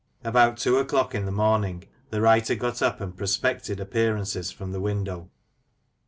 About two o'clock in the morning, the writer got up and prospected appearances from the window.